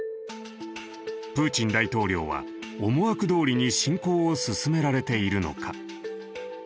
プーチン大統領は思惑通りに侵攻を進められているのか。